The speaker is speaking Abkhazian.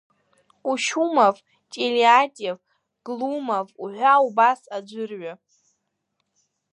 Кучумов, Телиатев, Глумов уҳәа убас аӡәырҩы.